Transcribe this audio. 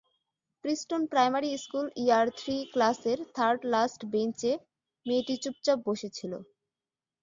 Preston primary school year three ক্লাসের third last বেঞ্চে মেয়েটি চুপচাপ বসেছিল।